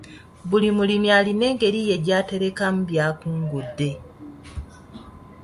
Buli mulimi alina engeri ye gy'aterekamu by'akungudde.